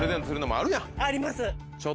あります。